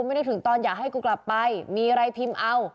ไม่ได้ถึงตอนอยากให้กูกลับไปมีอะไรพิมพ์เอา